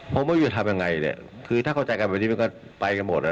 ผมไม่รู้จะทำยังไงเนี่ยคือถ้าเข้าใจกันวันนี้มันก็ไปกันหมดแล้ว